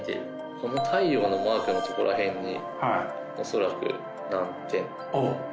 この太陽のマークのとこら辺に恐らく何点。